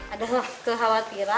ada kekhawatiran waktu itu juga pernah